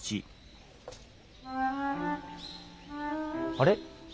あれ？